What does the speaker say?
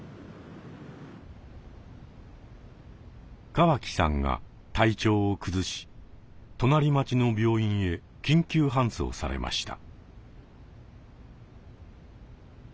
川木さんが体調を崩し隣町の病院へ緊急搬送されました。